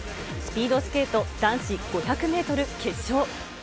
スピードスケート男子５００メートル決勝。